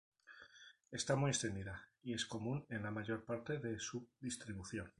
Está muy extendida y es común en la mayor parte de su distribución.